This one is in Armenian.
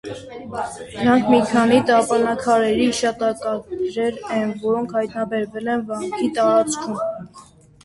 Դրանք մի քանի տապանաքարերի հիշատակագրեր են, որոնք հայտնաբերվել են վանքի տարածքում։